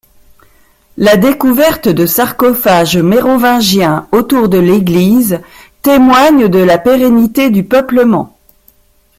La découverte de sarcophages mérovingiens autour de l'église témoignent de la pérennité du peuplement.